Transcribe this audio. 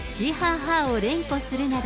ハー！を連呼するなど、